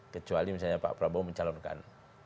kecuali misalnya pak prabowo mencalonkan